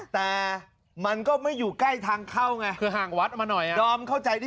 แต่มันก็ไม่อยู่ใกล้ทางเข้าไงคือห่างวัดมาหน่อยอ่ะดอมเข้าใจดิ